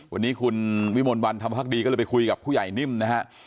วันนี้คุณวิมลวันธรรมภักดีก็เลยไปคุยกับผู้ใหญ่นิ่มนะฮะ